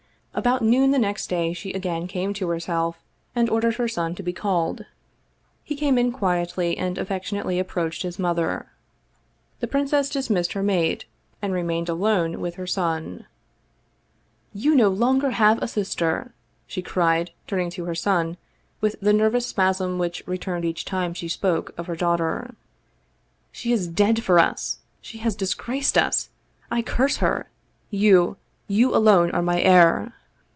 About noon the next day she again came to herself, and ordered her son to be called. He came in quietly, and affectionately approached his mother. The princess dismissed her maid, and remained alone with her son. "You have no longer a sister!" she cried, turning to her son, with the nervous spasm which returned each time she spoke of her daughter. "She is dead for us! She has disgraced us! I curse her! You, you alone are my heir